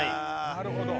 なるほど。